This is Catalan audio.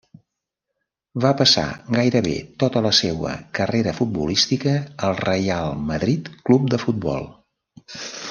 Va passar gairebé tota la seua carrera futbolística al Reial Madrid Club de Futbol.